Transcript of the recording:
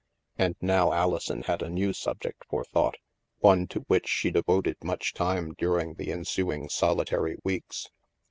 And now Alison had a new subject for thought, one to which she devoted much time during the ensuing solitary weeks.